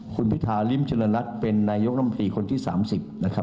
คุณพิธาริมเจริญรัฐเป็นนายกรมตรีคนที่๓๐นะครับ